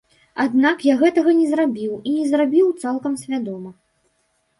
Аднак я гэтага не зрабіў, і не зрабіў цалкам свядома.